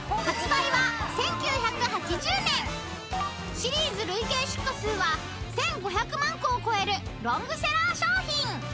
［シリーズ累計出荷数は１，５００万個を超えるロングセラー商品］